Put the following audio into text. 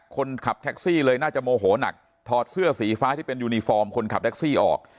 คนขับแท็กซี่เลยน่าจะโมโหนักถอดเสื้อสีฟ้าที่เป็นยูนิฟอร์มคนขับแท็กซี่ออก